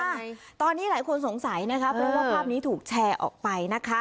อันนี้หลายคนสงสัยนะครับว่าภาพนี้ถูกแชร์ออกไปนะคะ